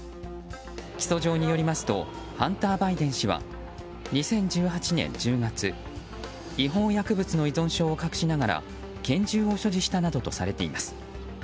起訴状によりますとハンター・バイデン氏は２０１８年１０月違法薬物の依存症を隠しながら拳銃を所持したなどとされています。